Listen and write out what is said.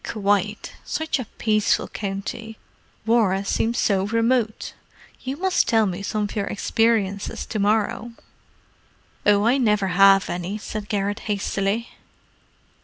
"Quite. Such a peaceful county—war seems so remote. You must tell me some of your experiences to morrow." "Oh, I never have any," said Garrett hastily.